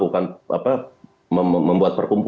puarkan apa inian bukan kra kan apa